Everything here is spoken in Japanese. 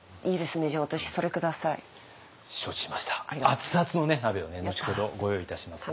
熱々の鍋を後ほどご用意いたします。